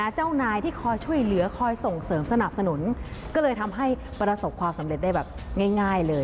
เจ้านายที่คอยช่วยเหลือคอยส่งเสริมสนับสนุนก็เลยทำให้ประสบความสำเร็จได้แบบง่ายเลย